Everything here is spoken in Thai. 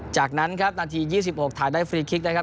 จากนั้นครับนาที๒๖ถ่ายได้ฟรีคลิกนะครับ